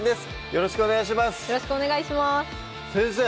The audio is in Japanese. よろしくお願いします